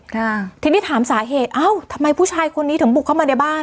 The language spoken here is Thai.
ค่ะทีนี้ถามสาเหตุอ้าวทำไมผู้ชายคนนี้ถึงบุกเข้ามาในบ้าน